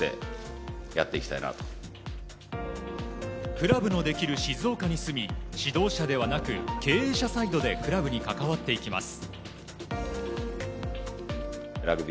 クラブのできる静岡に住み指導者ではなく経営者サイドでクラブに関わっていきます。